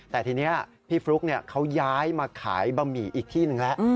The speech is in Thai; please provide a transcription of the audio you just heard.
แต่ทีนี้พี่ฟลุ๊กเขาย้ายมาขายบะหมี่อีกที่หนึ่งแล้ว